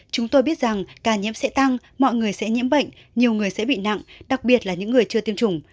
chúng tôi biết rằng ca nhiễm sẽ tăng mọi người sẽ nhiễm bệnh nhiều người sẽ bị nặng đặc biệt là những người chưa tiêm chủng